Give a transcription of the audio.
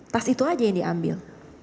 tas itu aja yang diambil